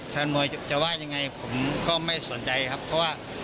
แฟนมวยจะว่ายังไงผมก็ไม่สนใจครับเพราะว่า